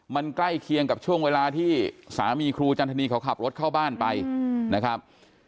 มันใกล้เคียงกับช่วงเวลาที่สามีครูจันทนีเขาขับรถเข้าบ้านไปนะครับ